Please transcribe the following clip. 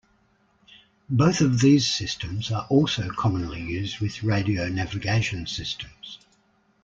Both of these systems are also commonly used with radio navigation systems.